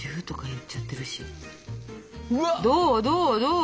どうどうどう？